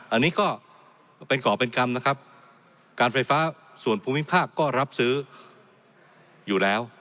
อันนี้ก็เป็นก่อเป็นกรรมนะครับการไฟฟ้าส่วนภูมิภาคก็รับซื้ออยู่แล้ว